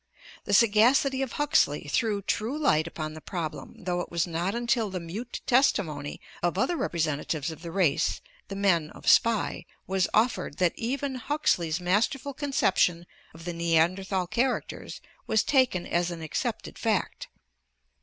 The sagacity of Huxley threw true light upon the problem, though it was not until the mute testimony of other representatives of the race [the men of Spy] was offered that even Huxley's master ful conception of the Neanderthal characters was taken as an accepted fact.